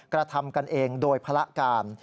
กระทำกันเองโดยภาระการ